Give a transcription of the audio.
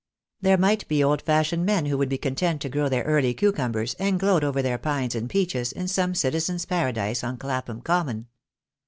There might be old fashioned men who would be content to grow their early cucumbers, and gloat over their pines and peaches in some citizen's paradise on Clapham Common.